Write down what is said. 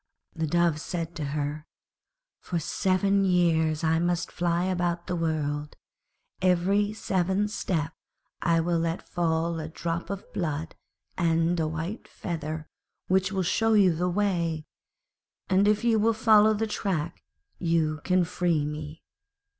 The Dove said to her, 'For seven years I must fly about the world; every seventh step I will let fall a drop of blood and a white feather which will show you the way, and if you will follow the track you can free me.'